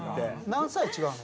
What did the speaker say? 何歳違うの？